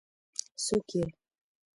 څوک يې؟